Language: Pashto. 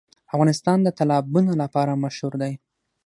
افغانستان د تالابونه لپاره مشهور دی.